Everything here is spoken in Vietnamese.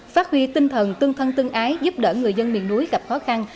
phát huy tinh thần tương thân tương ái giúp đỡ người dân miền núi gặp khó khăn